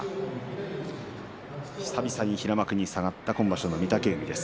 久々に平幕に下がった今場所の御嶽海です。